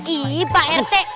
ih pak rt